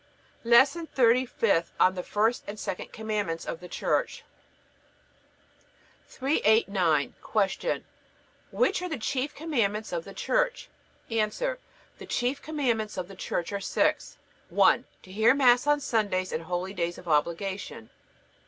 LESSON THIRTY FIFTH ON THE FIRST AND SECOND COMMANDMENTS OF THE CHURCH 389. Q. Which are the chief commandments of the Church? A. The chief commandments of the Church are six: 1. To hear Mass on Sundays and holydays of obligation.